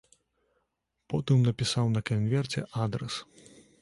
Потым напісаў на канверце адрас.